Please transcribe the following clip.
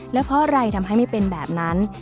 แล้วเพราะอะไรทำให้ไม่เป็นแบบนั้น